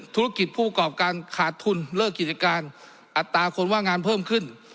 ผู้กรอบการขาดทุนเลิกกิจการอัตราคนว่างงานเพิ่มขึ้น